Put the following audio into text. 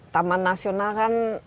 taman nasional kan